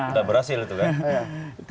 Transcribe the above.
tidak berhasil itu kan